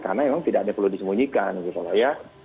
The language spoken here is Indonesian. karena memang tidak ada yang perlu disembunyikan gitu loh ya